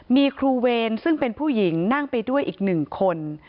มีครูเวรซึ่งเป็นผู้หญิงนั่งไปด้วยอีกหนึ่งคน